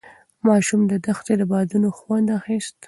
ماشوم د دښتې د بادونو خوند اخیست.